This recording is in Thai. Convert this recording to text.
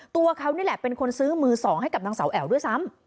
ตัวเขานี่แหละเป็นคนซื้อมือสองให้กับนางสาวแอ๋วด้วยซ้ำ